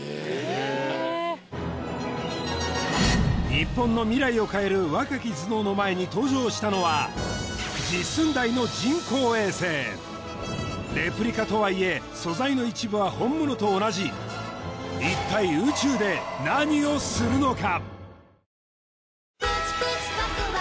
日本の未来を変える若き頭脳の前に登場したのは実寸大の人工衛星レプリカとはいえ素材の一部は本物と同じ一体宇宙で何をするのか？